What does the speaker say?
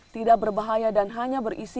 tidak berkaitan dengan kondisi yang terjadi di bekasi